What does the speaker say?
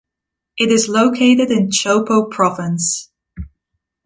It is located in Tshopo province.